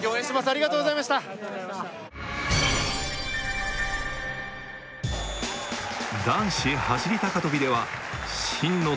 ありがとうございましたありがとうございました男子走高跳では真野友博が初出場で